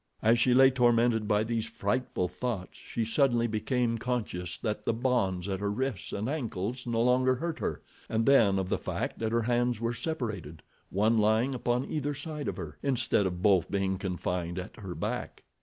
As she lay tormented by these frightful thoughts, she suddenly became conscious that the bonds at her wrists and ankles no longer hurt her, and then of the fact that her hands were separated, one lying upon either side of her, instead of both being confined at her back.